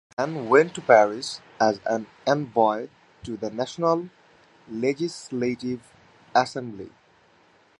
He then went to Paris as an envoy to the National Legislative Assembly.